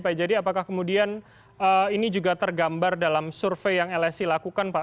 pak jadi apakah kemudian ini juga tergambar dalam survei yang lsi lakukan pak